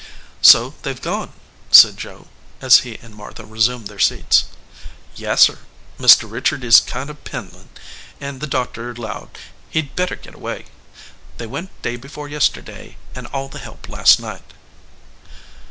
"So they ve gone," said Joe, as he and Martha resumed their seats. "Yassir. Mr. Richard is kind of pindlin , and 145 EDGEWATER PEOPLE the doctor lowed he d better get away. They went day before yesterday, and all the help last night."